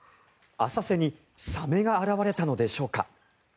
浅瀬にサメが現れたのでしょうか。